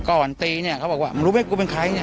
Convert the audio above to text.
ก่อนตีเนี่ยเขาบอกว่ามึงรู้ไหมกูเป็นใครเนี่ย